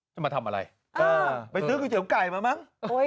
จะมาทำอะไรไปซื้อก๋วเตี๋ยไก่มามั้ง